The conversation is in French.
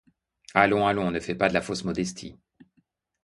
Allons, allons, ne fais pas de la fausse modestie.